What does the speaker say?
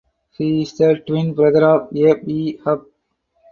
He is the twin brother of Yap Yee Hup.